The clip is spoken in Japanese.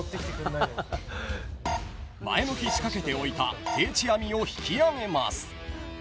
［前の日仕掛けておいた定置網を引き揚げます］